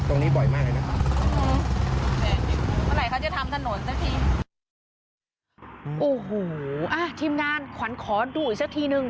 โอ้โหอ่ะทีมงานขวัญขอดูอีกสักทีนึง